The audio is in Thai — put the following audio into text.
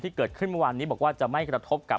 เกิดขึ้นเมื่อวานนี้บอกว่าจะไม่กระทบกับ